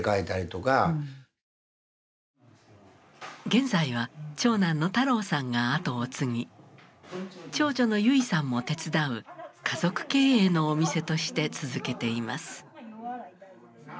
現在は長男の太朗さんが後を継ぎ長女の唯さんも手伝う家族経営のお店として続けています。